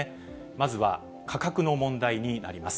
まずは価格の問題になります。